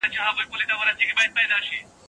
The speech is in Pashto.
واټسن د مسودې پر کتلو ټینګار کړی دی.